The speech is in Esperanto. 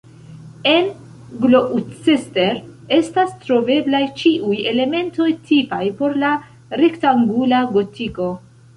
En Gloucester estas troveblaj ĉiuj elementoj tipaj por la rektangula gotiko.